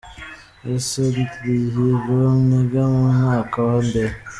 S Dihiro niga mu mwaka wa mbere.